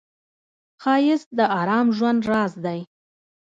ښایست د آرام ژوند راز دی